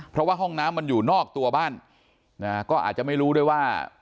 เพราะว่าห้องน้ำมันอยู่นอกตัวบ้านนะฮะก็อาจจะไม่รู้ด้วยว่า